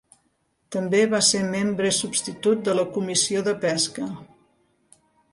També va ser membre substitut de la Comissió de Pesca.